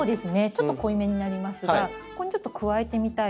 ちょっと濃いめになりますがここにちょっと加えてみたいと思います。